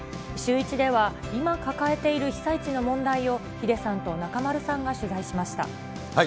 シューイチでは、今抱えている被災地の問題をヒデさんと中丸さんが取材しました。